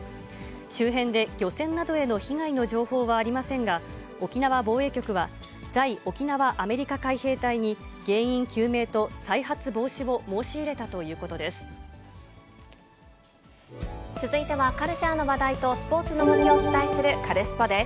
周辺で漁船などへの被害の情報はありませんが、沖縄防衛局は、在沖縄アメリカ海兵隊に、原因究明と再発防止を申し入れたという続いては、カルチャーの話題とスポーツの動きをお伝えするカルスポっ！です。